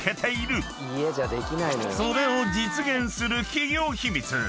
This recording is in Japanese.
［それを実現する企業秘密］